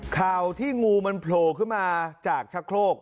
ข่าวที่งูมันโผล่ขึ้นมาจากชะโครก